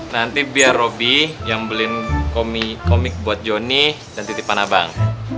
nanti biar robby yang beliin komik buat joni dan titipana bang